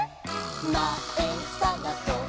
「まえさがそっ！